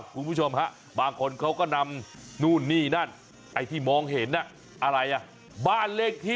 คุณผู้ชมฮะบางคนเขาก็นำนู่นนี่นั่นที่มองเห็น